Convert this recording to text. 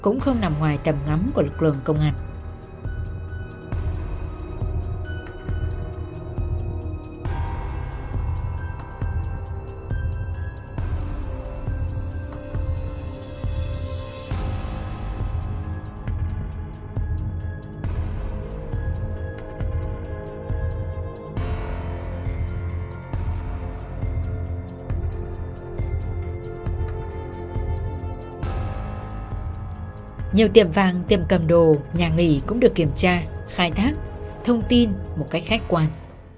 nhiều tiệm vàng tiệm cầm đồ nhà nghỉ cũng được kiểm tra khai thác thông tin một cách khách quan